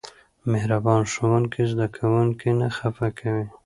مهربان ښوونکی زده کوونکي نه خفه کوي.